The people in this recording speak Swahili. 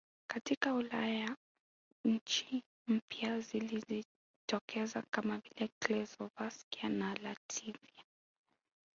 Katika Ulaya nchi mpya zilijitokeza kama vile Chekoslovakia na Latvia